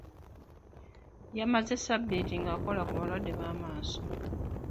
Yamaze ssabbiiti ng'akola ku balwadde b'amaaso.